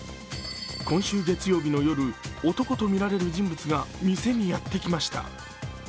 今週月曜日の夜、男とみられる人物が店にやってきました。